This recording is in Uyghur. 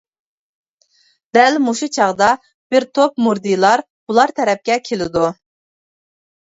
دەل مۇشۇ چاغدا بىر توپ مۇردىلار بۇلار تەرەپكە كېلىدۇ.